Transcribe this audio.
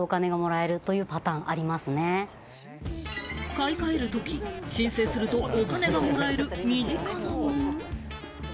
買いかえるとき、申請するとお金がもらえる身近なもの。